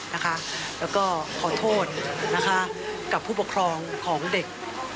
และก็ขอโทษกับผู้ปกครองของเด็ก